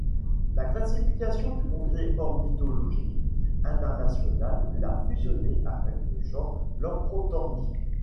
La classification du Congrès ornithologique international l'a fusionné avec le genre Lamprotornis.